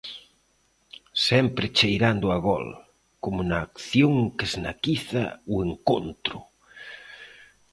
Sempre cheirando a gol, como na acción que esnaquiza o encontro.